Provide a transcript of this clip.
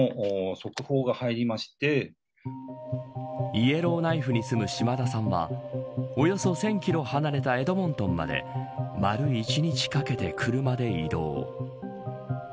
イエローナイフに住む嶋田さんはおよそ１０００キロ離れたエドモントンまで丸一日かけて車で移動。